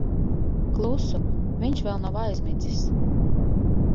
Klusu. Viņš vēl nav aizmidzis.